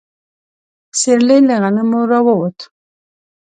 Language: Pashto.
سيرلي له غنمو راووت.